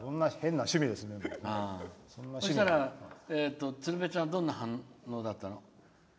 そしたら、鶴瓶ちゃんどんな反応だったの？